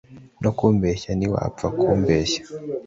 no kumbeshya ntiwapfa kumbeshya